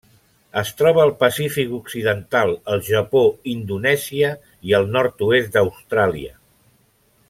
Es troba al Pacífic occidental: el Japó, Indonèsia i el nord-oest d'Austràlia.